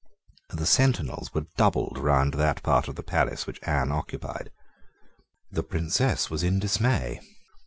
The sentinels were doubled round that part of the palace which Anne occupied. The Princess was in dismay.